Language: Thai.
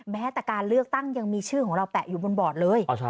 แม้แต่การเลือกตั้งยังมีชื่อของเราแปะอยู่บนบอร์ดเลย